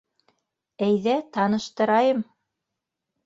Әйҙә, таныштырайым!